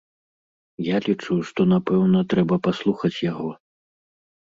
Я лічу, што, напэўна, трэба паслухаць яго.